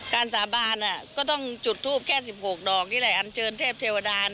สาบานก็ต้องจุดทูปแค่๑๖ดอกนี่แหละอันเชิญเทพเทวดา